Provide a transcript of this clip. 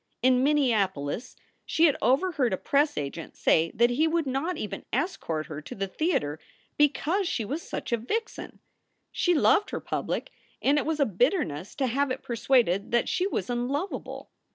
In Minneapolis she had overheard a press agent say that he would not even escort her to the theater because she was such a vixen ! She loved her public, and it was a bitterness to have it persuaded that she was unlovable.